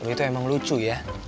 itu emang lucu ya